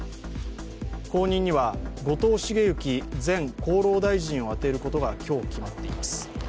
後任には、後藤茂之前厚労大臣を宛てることが今日、決まっています。